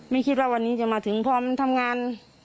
ไม่คิดว่าวันนี้จะมาถึงพอมันทำงาน